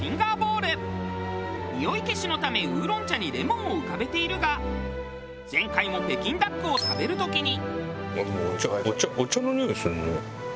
におい消しのためウーロン茶にレモンを浮かべているが前回も北京ダックを食べる時に。